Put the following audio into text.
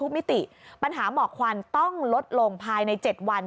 มิติปัญหาหมอกควันต้องลดลงภายใน๗วัน